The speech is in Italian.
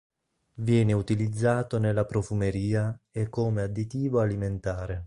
Viene utilizzato nella profumeria e come additivo alimentare.